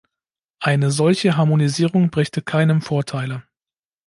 Eine solche Harmonisierung brächte keinem Vorteile.